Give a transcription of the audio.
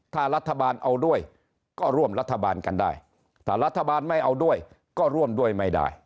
ถ้ารัฐบาลเอาด้วยก็ร่วมรัฐบาลกันได้ถ้ารัฐบาลไม่เอาด้วยก็ร่วมด้วยไม่ได้